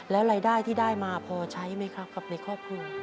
แล้วรายได้ที่ได้มาพอใช้ไหมครับกับในครอบครัว